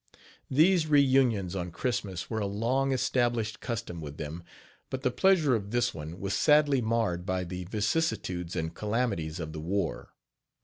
These re unions on Christmas were a long established custom with them, but the pleasure of this one was sadly marred by the vicisitudes and calamities of the war.